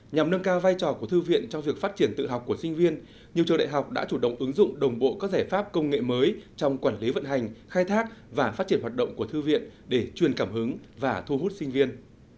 nhằm nâng cao vai trò của thư viện trong việc phát triển tự học của sinh viên nhiều trường đại học đã chủ động ứng dụng đồng bộ các giải pháp công nghệ mới trong quản lý vận hành khai thác và phát triển hoạt động của thư viện để truyền cảm hứng và thu hút sinh viên